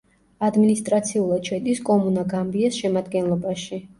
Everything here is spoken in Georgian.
ადმინისტრაციულად შედის კომუნა გამბიეს შემადგენლობაში.